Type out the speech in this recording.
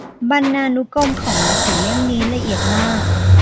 บรรณานุกรมของหนังสือเล่มนี้ละเอียดมาก